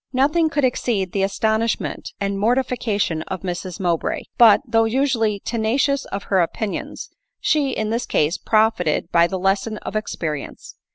Nothing could exceed the astonishment and mortifica tion of Mrs Mowbray ; but, though usually tenacious of ber opinions, she in this case profited by the lesson of ex perience.